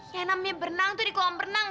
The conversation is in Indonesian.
ya namanya berenang tuh di kolam berenang